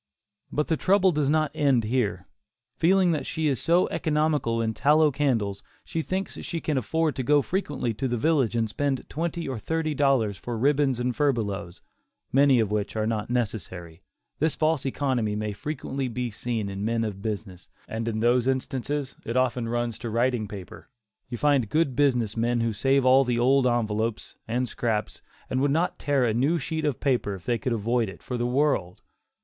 But the trouble does not end here. Feeling that she is so economical in tallow candles, she thinks she can afford to go frequently to the village and spend twenty or thirty dollars for ribbons and furbelows, many of which are not necessary. This false economy may frequently be seen in men of business, and in those instances it often runs to writing paper. You find good business men who save all the old envelopes, and scraps, and would not tear a new sheet of paper, if they could avoid it, for the world.